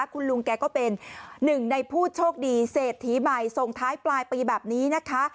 คุณลุงแกก็เป็นหนึ่งในผู้โชคดีเศรษฐีใหม่ส่งท้ายปลายปีแบบนี้นะคะ